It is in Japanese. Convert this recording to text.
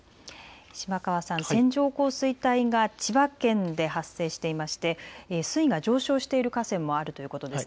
島川さん、線状降水帯が千葉県で発生していまして水位が上昇している河川もあるということです。